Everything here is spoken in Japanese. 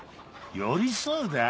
寄り添うだぁ？